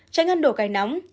tránh ăn đồ cay nóng